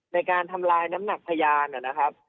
ในการทำลายน้ำหนักพยานนะครับ